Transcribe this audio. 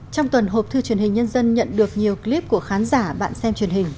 trong tuần hộp thư truyền hình nhân dân nhận được nhiều clip của khán giả bạn xem truyền hình